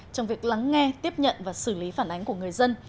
trong việc lắng nghe tiếp nhận và xử lý phản ánh của người dân